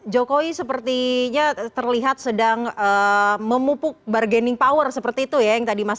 jokowi sepertinya terlihat sedang memupuk bargaining power seperti itu ya yang tadi mas